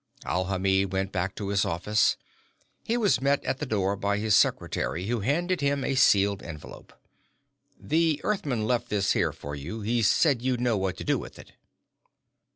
Alhamid went back to his office. He was met at the door by his secretary, who handed him a sealed envelope. "The Earthman left this here for you. He said you'd know what to do with it."